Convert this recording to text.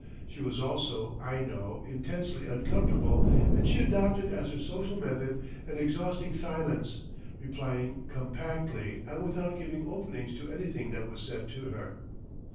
She was also, I know, intensely uncomfortable, and she adopted as her social method, an exhausting silence, replying compactly and without giving openings to anything that was said to her.